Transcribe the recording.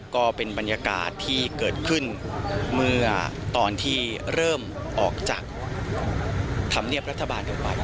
ก็เป็นบรรยากาศที่เกิดขึ้นเมื่อตอนที่เริ่มออกจากธรรมเนียบรัฐบาลกันไป